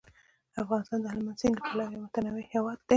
افغانستان د هلمند سیند له پلوه یو متنوع هیواد دی.